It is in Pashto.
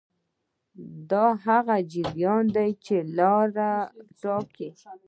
دا هغه جریان دی چې حل لاره ټاکي.